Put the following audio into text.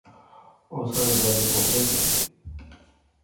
او ساڑھے دادیں پوترے دے